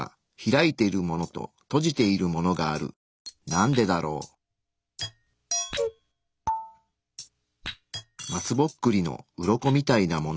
なんでだろう？松ぼっくりのウロコみたいなもの。